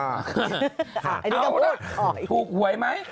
เอาล่ะถูกหวยไหม